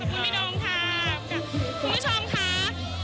คุณผู้ชมคะ